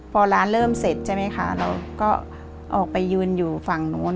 พอร้านเริ่มเสร็จใช่ไหมคะเราก็ออกไปยืนอยู่ฝั่งนู้น